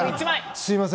すいません。